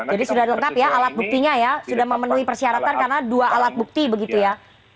jadi sudah lengkap ya alat buktinya ya sudah memenuhi persyaratan karena dua alat bukti begitu ya